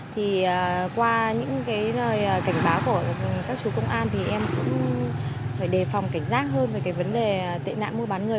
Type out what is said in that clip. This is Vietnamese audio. thì qua những cái cảnh báo của các chú công an thì em cũng phải đề phòng cảnh giác hơn về cái vấn đề tệ nạn mua bán người